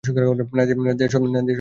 নাদিয়া শব্দটির অর্থ হচ্ছে 'আশা'।